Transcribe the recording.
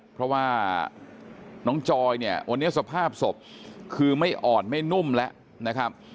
เพราะว่าน้องจอยเนี่ยวันนี้สภาพศพคือไม่อ่อนไม่นุ่มแล้วนะครับ